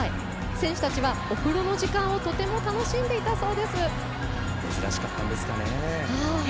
選手たちはお風呂の時間をとても楽しんでいたそうです。